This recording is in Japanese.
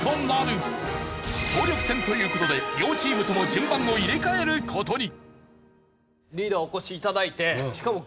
総力戦という事で両チームとも順番を入れ替える事に。